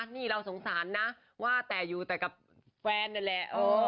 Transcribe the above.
นี่เราสงสารนะว่าแต่อยู่แต่กับแฟนนั่นแหละ